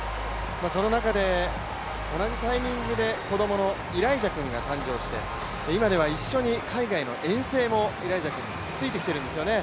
その中で同じタイミングで子供のイライジャ君が誕生して今では一緒に海外の遠征もイライジャ君がついてきているんですよね。